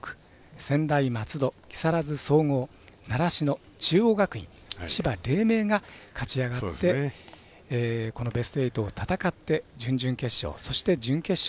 専大松戸、木更津総合習志野、中央学院千葉黎明が勝ち上がってこのベスト８を戦って準々決勝そして、準決勝。